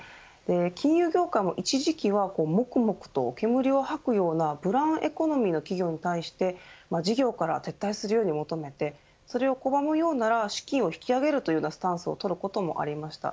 金融業界も一時期はもくもくと煙を吐くようなブラウンエコノミーの企業に対して事業から撤退するように求めてそれを拒むようなら資金を引き上げるというようなスタンスを取ることもありました。